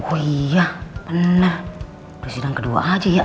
oh iya bener udah sidang kedua aja ya